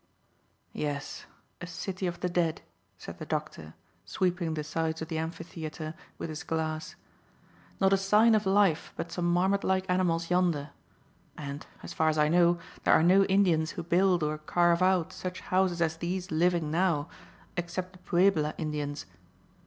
"Yes; a city of the dead," said the doctor, sweeping the sides of the amphitheatre with his glass. "Not a sign of life but some marmot like animals yonder. And, as far as I know, there are no Indians who build or carve out such houses as these living now, except the puebla Indians.